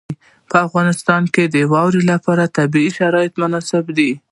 په افغانستان کې د واوره لپاره طبیعي شرایط مناسب دي.